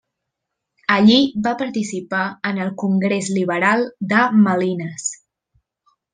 Allí va participar en el Congrés Liberal de Malines.